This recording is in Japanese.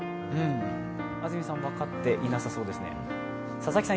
安住さん分かっていなさそうですね。